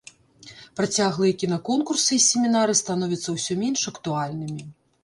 Працяглыя кінакурсы і семінары становяцца ўсё менш актуальнымі.